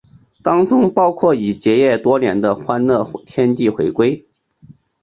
当中包括已结业多年的欢乐天地回归。